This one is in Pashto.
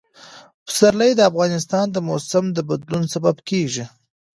پسرلی د افغانستان د موسم د بدلون سبب کېږي.